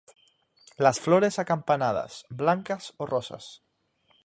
Las flores acampanadas, blancas o rosas.